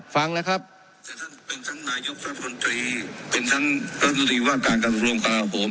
ฟังนะครับเป็นทั้งนายกษัตริย์เป็นทั้งว่าการกันรวมประโหม